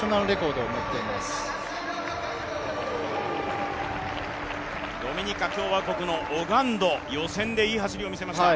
ドミニカ共和国のオガンド予選でいい走りを見せました。